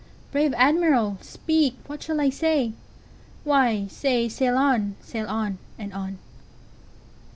Brave Admiral, speak, what shall I say?""Why, say, 'Sail on! sail on! and on!